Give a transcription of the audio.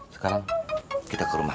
sekarang kita ke rumah